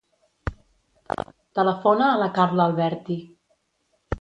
Telefona a la Carla Alberti.